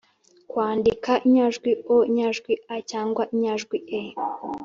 -kwandika inyajwi o, inyajwi a cyangwa inyajwi e